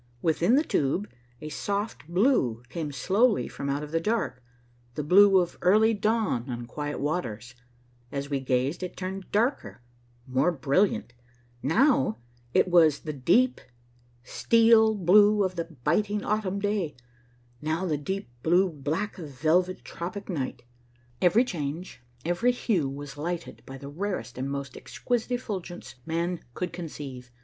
Within the tube a soft blue came slowly from out the dark, the blue of early dawn on quiet waters, as we gazed it turned darker, more brilliant; now it was the deep, steel blue of the biting autumn day, now the deep, blue black of velvet tropic night. Every change, every hue was lighted by the rarest and most exquisite effulgence man could conceive.